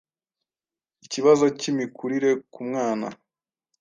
ikibazo cy’ imikurire ku mwana,